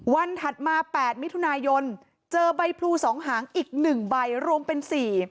วันถัดมาแปดมิถุนายนเจอใบพลูสองหางอีกหนึ่งใบรวมเป็นสี่